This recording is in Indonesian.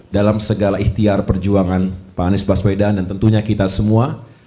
dalam segala ikhtiar perjuangan pak anies baswedan dan tentunya kita semua